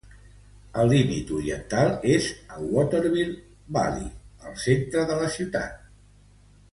El límit oriental és a Waterville Valley, al centre de la ciutat.